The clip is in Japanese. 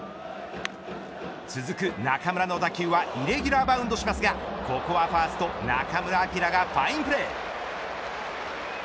続く中村の打球はイレギュラーバウンドしますがここはファースト中村晃がファインプレー。